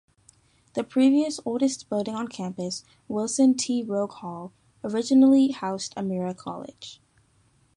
The previous oldest building on campus, Wilson T. Hogue Hall, originally housed Almira College.